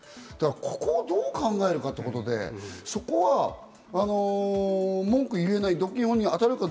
ここをどう考えるかってことで、そこは文句言えない。